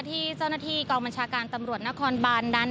ที่เจ้าหน้าที่กองบัญชาการตำรวจนครบานนั้น